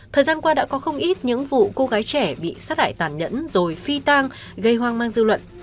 thời gian qua đã có không ít những vụ cô gái trẻ bị sát hại tàn nhẫn rồi phi tang gây hoang mang dư luận